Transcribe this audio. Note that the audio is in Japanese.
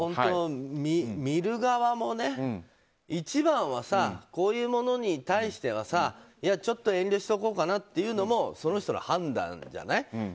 だから、見る側も一番はこういうものに対してはいや、ちょっと遠慮しておこうかなっていうのもその人の判断じゃない。